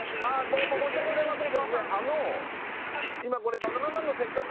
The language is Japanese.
どうも申し訳ございません